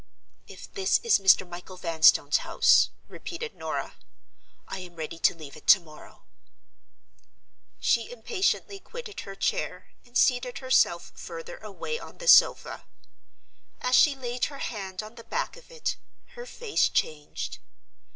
"If this is Mr. Michael Vanstone's house," repeated Norah; "I am ready to leave it tomorrow." She impatiently quitted her chair and seated herself further away on the sofa. As she laid her hand on the back of it, her face changed.